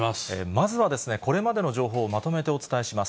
まずはですね、これまでの情報をまとめてお伝えします。